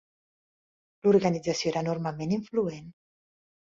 L'organització era enormement influent.